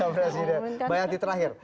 bayangkan di terakhir